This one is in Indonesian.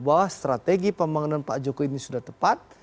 bahwa strategi pembangunan pak jokowi ini sudah tepat